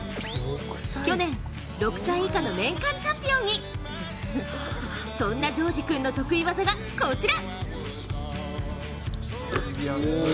去年６歳以下の年間チャンピオンにそんな成冶君の得意技がこちら！